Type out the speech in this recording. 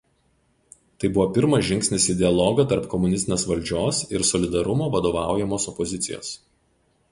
Tai buvo pirmas žingsnis į dialogą tarp komunistinės valdžios ir Solidarumo vadovaujamos opozicijos.